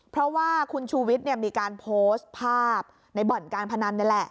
เพราะว่าคุณชูวิทย์มีการโพสต์ภาพในบ่อนการพนันนี่แหละ